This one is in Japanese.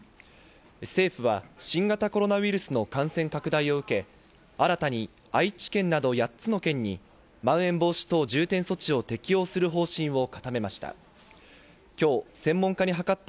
政府は新型コロナウイルスの感染拡大を受け、新たに愛知県など８つの県にまん延防止等重点措置を適用する方針を固めました。